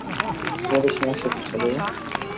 তোমাদের সমস্যা কী ছেলেরা?